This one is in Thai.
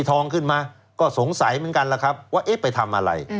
ทองขึ้นมาก็สงสัยเหมือนกันล่ะครับว่าเอ๊ะไปทำอะไร